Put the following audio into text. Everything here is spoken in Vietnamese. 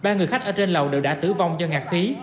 ba người khách ở trên lầu đều đã tử vong do ngạc khí